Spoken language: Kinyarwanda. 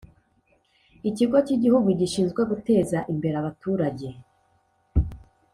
Ikigo cy Igihugu Gishinzwe Guteza imbere abaturage